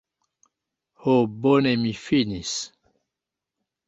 Ho bone mi finis